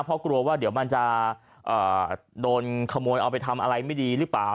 เพราะกลัวว่าเดี๋ยวมันจะโดนขโมยเอาไปทำอะไรไม่ดีหรือเปล่า